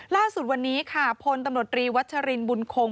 ล่าสุดวันนี้ค่ะพลตำรวจรีวัชรินบุญคง